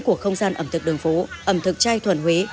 của không gian ẩm thực đường phố ẩm thực chai thuần huế